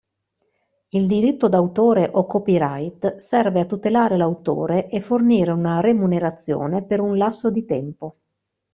Il Diritto d'autore o Copyright serve a tutelare l'autore e fornire una remunerazione per un lasso di tempo.